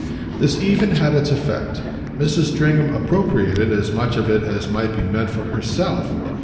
This even had its effect: Mrs. Stringham appropriated as much of it as might be meant for herself.